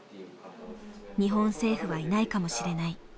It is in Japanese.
日本政府はいないかもしれない。